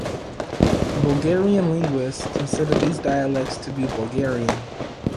Bulgarian linguists consider these dialects to be Bulgarian.